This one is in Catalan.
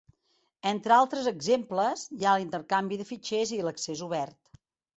Entre altres exemples, hi ha l'intercanvi de fitxers i l'accés obert.